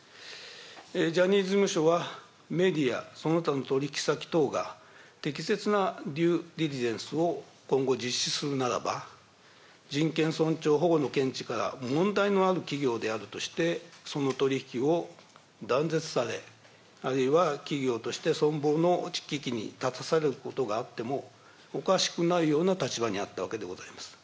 ジャニーズ事務所はメディア、その他の取り引き先等が、適切なデューデリジェンスを今後、実施するならば、人権尊重保護の見地から問題のある企業であるとして、その取り引きを断絶され、あるいは企業として存亡の危機に立たされることがあってもおかしくないような立場にあったわけでございます。